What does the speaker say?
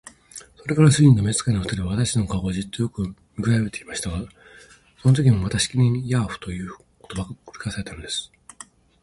それから主人と召使の二人は、私たちの顔をじっとよく見くらべていましたが、そのときもまたしきりに「ヤーフ」という言葉が繰り返されたのです。